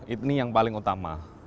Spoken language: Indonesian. ini yang paling utama